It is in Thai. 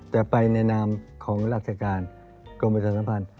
แต่ไปในนามของราชการกรมประชาสัมพันธ์